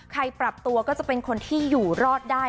ปรับตัวก็จะเป็นคนที่อยู่รอดได้